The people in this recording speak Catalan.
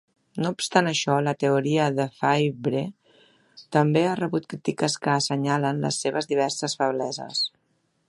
No obstant això, la teoria de Faivre també ha rebut crítiques que assenyalen les seves diverses febleses.